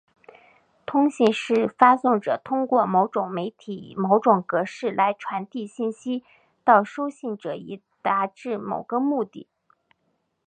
通信是发送者通过某种媒体以某种格式来传递信息到收信者以达致某个目的。